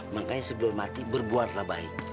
makanya sebelum mati berbuatlah baik